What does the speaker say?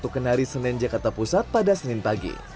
satu kenari senen jakarta pusat pada senin pagi